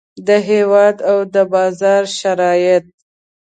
د هیواد او د بازار شرایط.